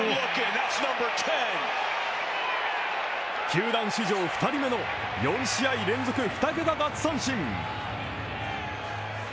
球団史上２人目の４試合連続２桁奪三振。